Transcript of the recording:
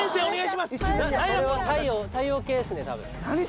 お願いします